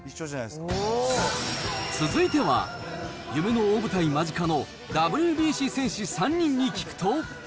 続いては、夢の大舞台間近のＷＢＣ戦士３人に聞くと。